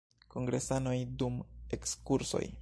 Kongresanoj dum ekskurso.